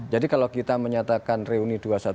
jadi kalau kita menyatakan reuni dua puluh satu